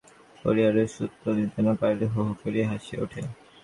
সেও আজকাল সব সময়ে পরিহাসের সদুত্তর দিতে না পারিলে হো হো করিয়া হাসিয়া উঠে।